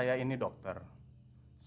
saya tidak mau menggugurkan kandungan